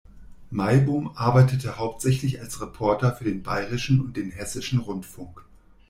Maibohm arbeitete hauptsächlich als Reporter für den Bayerischen und den Hessischen Rundfunk.